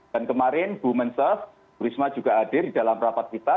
dan kemarin bu mensah bu risma juga ada di dalam rapat kita